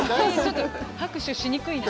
拍手しにくいな。